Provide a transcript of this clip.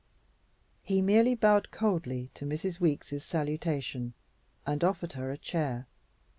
He merely bowed coldly to Mrs. Weeks' salutation and offered her a chair.